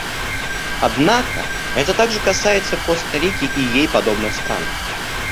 Однако это также касается Коста-Рики и ей подобных стран.